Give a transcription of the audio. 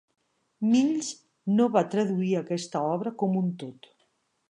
Mills no va traduir aquesta obra com un tot.